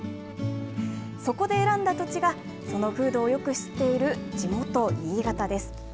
そこで選んだ土地が、その風土をよく知っている地元、新潟です。